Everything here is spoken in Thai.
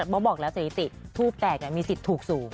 เพราะบอกแล้วสถิติทูบแตกมีสิทธิ์ถูกสูง